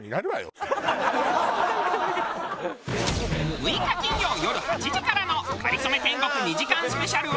６日金曜よる８時からの『かりそめ天国』２時間スペシャルは。